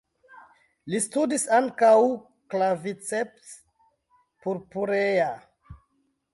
Li studis ankaŭ "Claviceps purpurea.